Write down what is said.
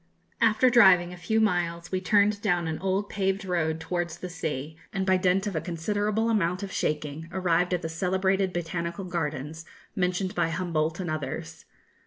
After driving a few miles, we turned down an old paved road towards the sea, and, by dint of a considerable amount of shaking, arrived at the celebrated Botanical Gardens, mentioned by Humboldt and others.